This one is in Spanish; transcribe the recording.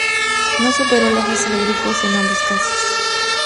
No superó la fase de grupos en ambos casos.